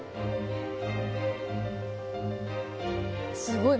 すごい。